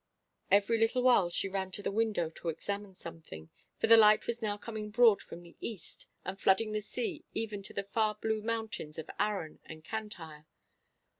Every little while she ran to the window to examine something, for the light was now coming broad from the east and flooding the sea even to the far blue mountains of Arran and Cantyre.